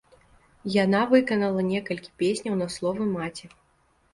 Яна выканала некалькі песняў на словы маці.